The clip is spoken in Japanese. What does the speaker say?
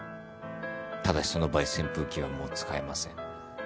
ただしその場合扇風機はもう使えません。